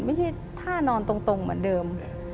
ไม่ใช่ท่านอนตรงเหมือนเดิม